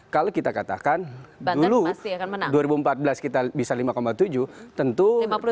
kalau kita katakan dulu dua ribu empat belas kita bisa lima tujuh tentu